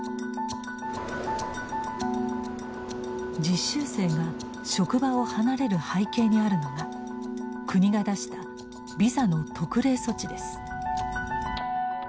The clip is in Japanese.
実習生が職場を離れる背景にあるのが国が出したビザの特例措置です。